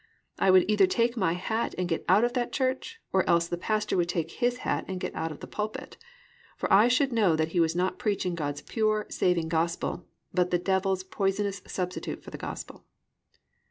I would either take my hat and get out of that church, or else the pastor would take his hat and get out of the pulpit; for I should know that he was not preaching God's pure, saving gospel, but the Devil's poisonous substitute for the gospel.